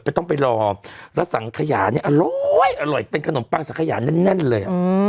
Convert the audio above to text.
ต้องไปรอแล้วสังขยาเนี่ยอร้อยเป็นขนมปังสังขยาแน่นเลย